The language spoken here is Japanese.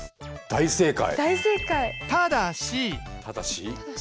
大正解。